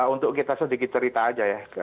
untuk kita sedikit cerita aja ya